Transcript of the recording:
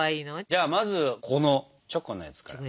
じゃあまずこのチョコのやつから。